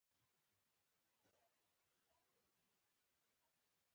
انسان د میلیونونو کلونو په اوږدو کې نننۍ بڼې ته رارسېدلی.